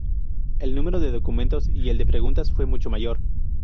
El número de documentos y el de preguntas fue mucho mayor.